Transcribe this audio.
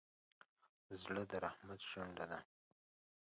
زړه د رحمت شونډه ده.